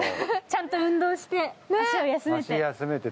ちゃんと運動して、足を休めて。